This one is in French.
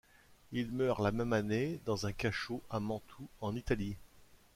Il meurt la même année, dans un cachot à Mantoue en Italie.